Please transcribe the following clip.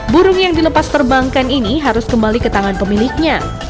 burung yang dilepas terbangkan ini harus kembali ke tangan pemiliknya